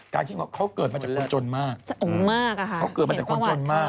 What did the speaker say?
การคิดว่าเขาเกิดมาจากคนจนมากเขาเกิดมาจากคนจนมาก